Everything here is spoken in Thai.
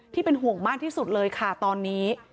ที่เป็นห่วงมากที่สุดเลยค่ะตอนนี้